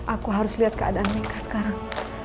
aku harus liat keadaan meika sekarang